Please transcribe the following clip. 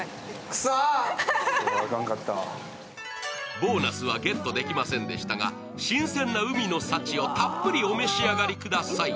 ボーナスはゲットできませんでしたが新鮮な海の幸をたっぷりお召し上がりください